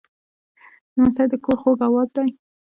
لمسی د کور خوږ آواز دی.